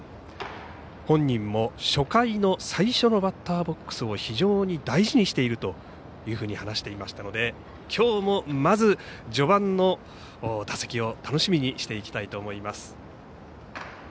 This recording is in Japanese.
本人も初回の最初のバッターボックスを非常に大事にしているというふうに話していましたのできょうも、まず序盤の打席を楽しみにしていきたいと思います。